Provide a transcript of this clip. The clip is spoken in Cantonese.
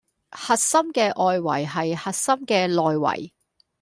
核心嘅外圍係核心嘅內圍